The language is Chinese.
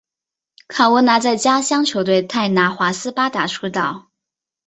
卡文拿在家乡球队泰拿华斯巴达出道。